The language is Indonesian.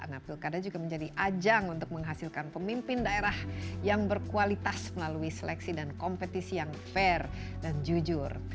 nah pilkada juga menjadi ajang untuk menghasilkan pemimpin daerah yang berkualitas melalui seleksi dan kompetisi yang fair dan jujur